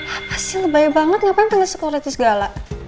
apa sih lebay banget ngapain pengen sekuriti segala